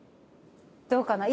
どうかな？